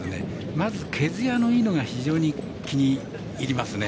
まず毛づやがいいのが非常に気に入りますね。